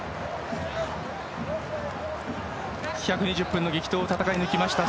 １２０分の激闘を戦い抜きました。